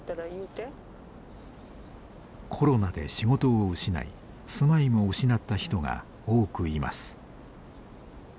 コロナで仕事を失い住まいも失った人が多くいます。